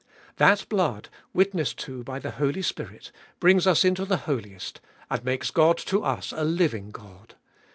That blood, witnessed to by the Holy Spirit, brings us into the Holiest, and makes God to us a living God